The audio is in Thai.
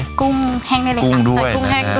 ใส่กุ้งแห้งด้วย